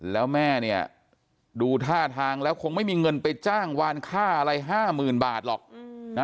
แล้วแม่เนี่ยดูท่าทางแล้วคงไม่มีเงินไปจ้างวานค่าอะไร๕๐๐๐บาทหรอก